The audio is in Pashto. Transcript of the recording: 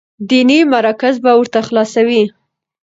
ديني مراکز به ورته خلاصوي،